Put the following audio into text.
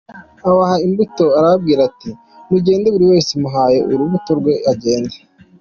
abaha imbuto arababwira ati: Mugende buri wese muhaye urubuto rwe; agende.